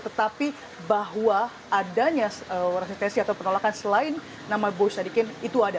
tetapi bahwa adanya resetesi atau penolakan selain nama boy sadikin itu ada